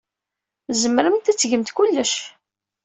Tzemremt ad tgemt kullec.